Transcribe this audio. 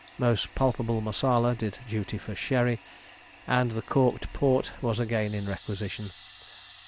Most palpable Marsala did duty for sherry, and the corked port was again in requisition.